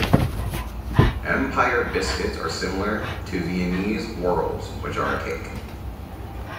Empire biscuits are similar to Viennese Whirls which are a cake.